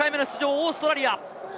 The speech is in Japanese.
オーストラリア。